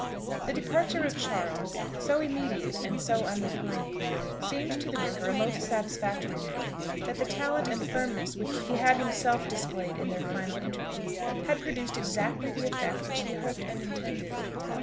The departure of Charles, so immediate and so unrepining, seemed to the vicar a most satisfactory proof that the talent and firmness which he had himself displayed in their final interview had produced exactly the effect which he hoped and intended.